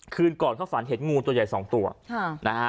คืนก่อนเขาฝันเห็นงูตัวใหญ่สองตัวนะฮะ